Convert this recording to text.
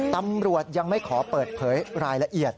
ตำรวจยังไม่ขอเปิดเผยรายละเอียด